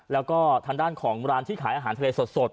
แล้วก็ทางด้านของร้านที่ขายอาหารทะเลสด